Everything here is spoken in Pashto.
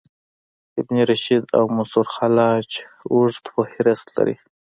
ابن رشد او منصورحلاج اوږد فهرست لري.